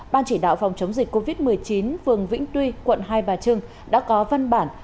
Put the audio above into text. ban chỉ đạo phòng chống dịch covid một mươi chín phường vĩnh tuy quận hai bà trưng đã có văn bản